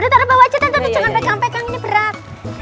udah taro bawah aja tante jangan pegang pegang ini berat